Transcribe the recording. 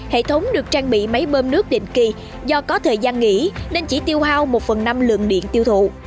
hệ thống được trang bị máy bơm nước định kỳ do có thời gian nghỉ nên chỉ tiêu hao một phần năm lượng điện tiêu thụ